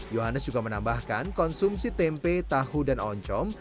yohannes juga menambahkan konsumsi tempe tahu dan oncom